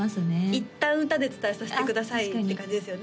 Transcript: いったん歌で伝えさせてくださいって感じですよね